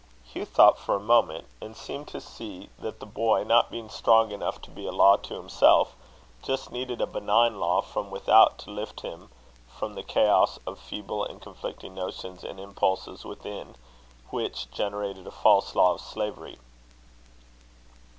Hugh thought for a moment, and seemed to see that the boy, not being strong enough to be a law to himself, just needed a benign law from without, to lift him from the chaos of feeble and conflicting notions and impulses within, which generated a false law of slavery.